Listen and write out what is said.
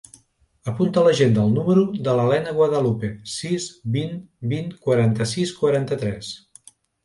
Apunta a l'agenda el número de l'Elena Guadalupe: sis, vint, vint, quaranta-sis, quaranta-tres.